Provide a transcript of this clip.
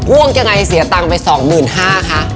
อ้วงกันยังไงเสียตังค์ไป๒๕๐๐๐บาทค่ะ